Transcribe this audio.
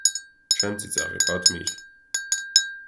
- Չեմ ծիծաղի, պատմիր: